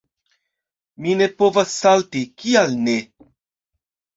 Mi ne povas salti. Kial ne?